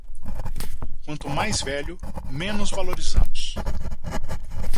Quanto mais velho, menos valorizamos.